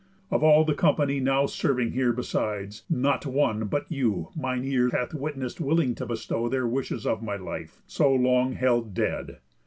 Of all the company Now serving here besides, not one but you Mine ear hath witness'd willing to bestow Their wishes of my life, so long held dead.